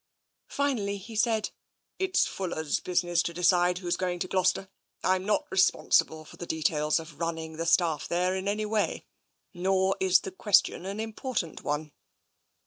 Finally he said :" It's Fuller's business to decide who's going to Gloucester. I'm not responsible for the details of running the staff there in any way. Nor is the question an important one."